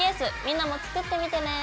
みんなも作ってみてね。